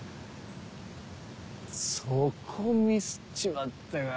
そこミスっちまったか。